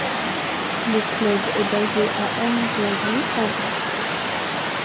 Le club est basé à M'djoiezi hambou.